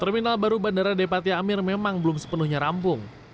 terminal baru bandara depati amir memang belum sepenuhnya rampung